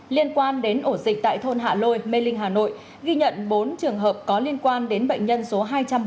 liên quan đến ổ dịch tại thôn hạ lôi mê linh hà nội ghi nhận bốn trường hợp có liên quan đến bệnh nhân số hai trăm ba mươi